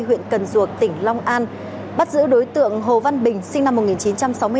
huyện cần duộc tỉnh long an bắt giữ đối tượng hồ văn bình sinh năm một nghìn chín trăm sáu mươi bốn